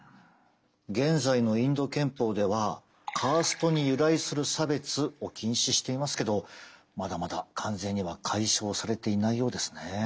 現在のインド憲法ではカーストに由来する差別を禁止していますけどまだまだ完全には解消されていないようですね。